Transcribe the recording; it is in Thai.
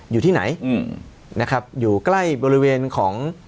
อยู่ที่ไหนอืมนะครับอยู่ใกล้บริเวณของ